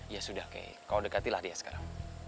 ya sudah kayak kau dekatilah dia sekarang